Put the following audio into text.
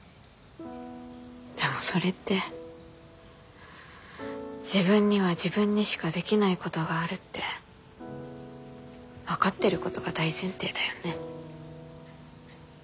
でもそれって自分には自分にしかできないことがあるって分かってることが大前提だよね。